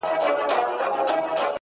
وځم له كوره له اولاده شپې نه كوم.